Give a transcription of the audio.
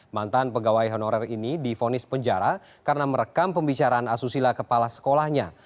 mantan pegawai honorer ini difonis penjara karena merekam pembicaraan asusila kepala sekolahnya